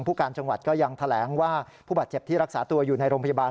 ผู้การจังหวัดก็ยังแถลงว่าผู้บาดเจ็บที่รักษาตัวอยู่ในโรงพยาบาล